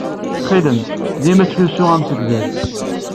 Ttxil-m, dima ttlusu amsegdal.